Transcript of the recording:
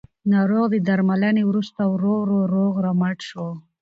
ناروغ د درملنې وروسته ورو ورو روغ رمټ شو